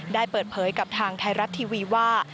ได้เปิดเผยกับทางไทยรัฐทีวีว่า